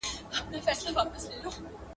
دا علم زموږ د هڅو پایله ده.